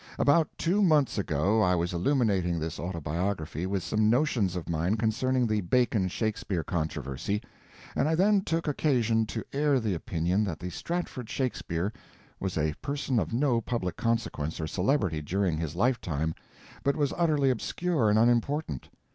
About two months ago I was illuminating this Autobiography with some notions of mine concerning the Bacon Shakespeare controversy, and I then took occasion to air the opinion that the Stratford Shakespeare was a person of no public consequence or celebrity during his lifetime, but was utterly obscure and unimportant.